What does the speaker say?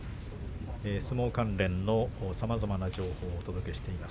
相撲関連のさまざまな情報をお届けしています。